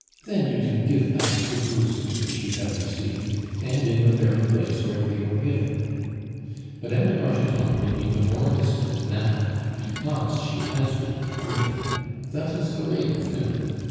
Then you can give back the bruises which you have received, and in the very place where they were given. Mme. de Bargeton will be the more distant now because she has been friendly. That is the way with women.